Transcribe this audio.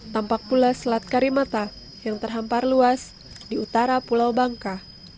tampak pula selat karimata yang terhampar luas di utara pulau bangka